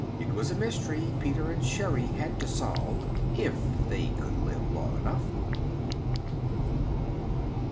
It was a mystery Peter and Sherri had to solve. If they could live long enough!